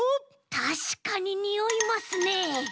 たしかににおいますね。